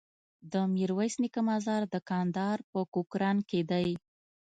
د ميرويس نيکه مزار د کندهار په کوکران کی دی